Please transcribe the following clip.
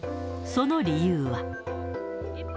その理由は。